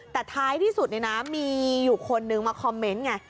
แต่ท้ายที่สุดมีอยู่คนนึงมาคอมเมนต์ไง